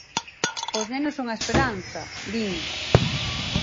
Os nenos son a esperanza, din.